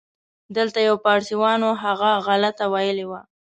دلته یو پاړسیوان و، هغه غلطه ویلې وه.